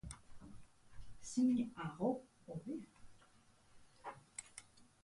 Esanen nuke bagenukeela hautagai bat ezinago hobea...